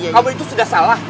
kamu itu sudah salah